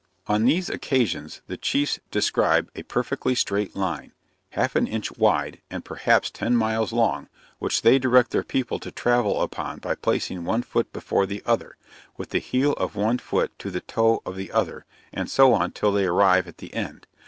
On these occasions the Chiefs describe a perfectly straight line, half an inch wide, and perhaps ten miles long, which they direct their people to travel upon by placing one foot before the other, with the heel of one foot to the toe of the other, and so on till they arrive at the end.